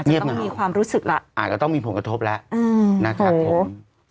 จะต้องมีความรู้สึกล่ะอ่าก็ต้องมีผลกระทบล่ะอืมนะครับผม